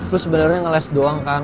lu sebenernya ngeles doang kan